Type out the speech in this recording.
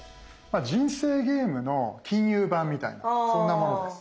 人生ゲームの金融版みたいなそんなものです。